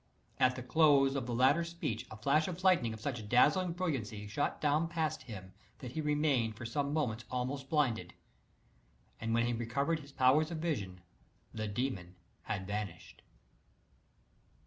At the close of the latter speech a flash of lightning of such dazzling brilliancy shot down past him, that he remained for some moments almost blinded; and when he recovered his powers of vision the demon had vanished.